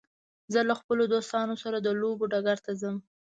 زه له خپلو دوستانو سره د لوبو ډګر ته ځم.